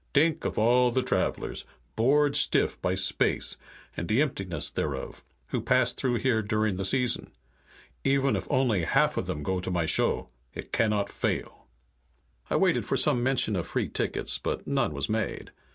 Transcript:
T'ink of all the travelers, bored stiff by space and de emptiness thereof, who pass through here during the season. Even if only half of them go to my show, it cannot fail." I waited for some mention of free tickets, but none was made.